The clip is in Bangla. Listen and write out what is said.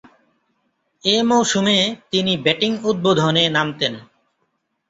এ মৌসুমে তিনি ব্যাটিং উদ্বোধনে নামতেন।